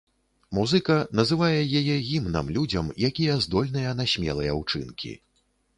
Музыка называе яе гімнам людзям, якія здольныя на смелыя ўчынкі.